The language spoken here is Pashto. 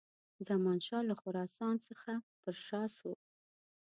زمانشاه له خراسان څخه پر شا سو.